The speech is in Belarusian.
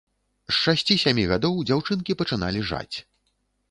З шасці-сямі гадоў дзяўчынкі пачыналі жаць.